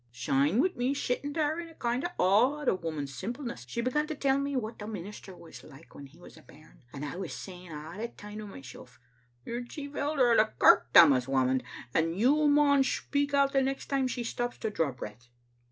" Syne wi' me sitting there in a kind o' awe o' the woman's simpleness, she began to tell me what the minister was like when he was a bairn, and I was say ing a' the time to mysel*, *You*re chief elder o' the kirk, Tammas Whamond, and you maun speak out the next time she stops to draw breath.